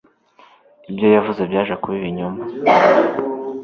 ibyo yavuze byaje kuba ibinyoma